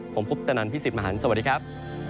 ผมภุตนันพี่สิบหมาฮันสวัสดีครับ